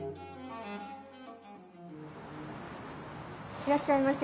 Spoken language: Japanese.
いらっしゃいませ。